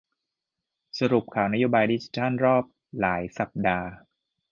สรุปข่าวนโยบายดิจิทัลรอบหลายสัปดาห์